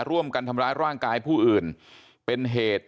ร่วมกันทำร้ายร่างกายผู้อื่นเป็นเหตุ